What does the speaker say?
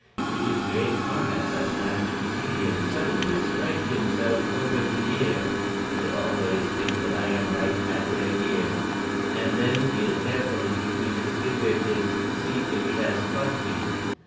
It is great fun at such times to see him suddenly strike himself over the ear (they always think that I am right at their ear), and then feel carefully between his finger tips to see if he has caught me.